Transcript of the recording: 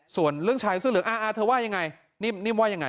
ส่วนเรื่องชายเสื้อเหลืองเธอว่ายังไงนิ่มว่ายังไง